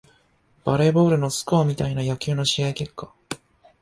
バレーボールのスコアみたいな野球の試合結果